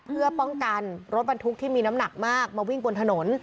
เพื่อป้องกันรถบรรทุกที่มีน้ำหนักมากมาวิ่งบนถนน